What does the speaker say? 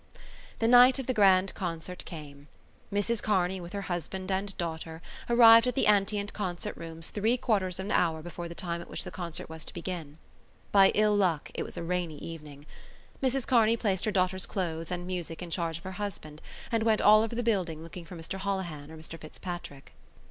The night of the grand concert came. Mrs Kearney, with her husband and daughter, arrived at the Antient Concert Rooms three quarters of an hour before the time at which the concert was to begin. By ill luck it was a rainy evening. Mrs Kearney placed her daughter's clothes and music in charge of her husband and went all over the building looking for Mr Holohan or Mr Fitzpatrick.